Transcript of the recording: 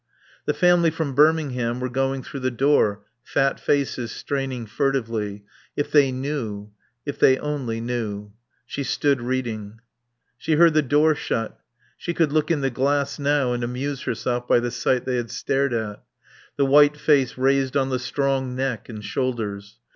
The family from Birmingham were going through the door; fat faces straining furtively. If they knew if they only knew. She stood, reading. She heard the door shut. She could look in the glass now and amuse herself by the sight they had stared at. The white face raised on the strong neck and shoulders.